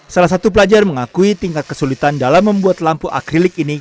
salah satu pelajar mengakui tingkat kesulitan dalam membuat lampu akrilik ini